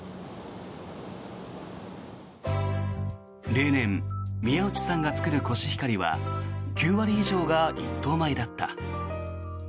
例年宮内さんが作るコシヒカリは９割以上が一等米だった。